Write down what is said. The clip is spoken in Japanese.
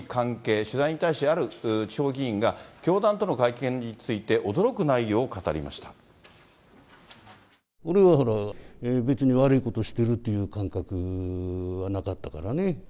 取材に対して、ある地方議員が教団との関係について驚く内容を語俺は別に悪いことしてるっていう感覚はなかったからね。